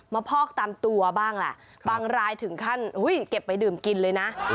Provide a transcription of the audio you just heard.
พอกตามตัวบ้างแหละบางรายถึงขั้นเก็บไปดื่มกินเลยนะ